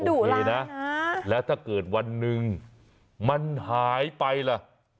โอเคนะแล้วถ้าเกิดวันหนึ่งมันหายไปล่ะ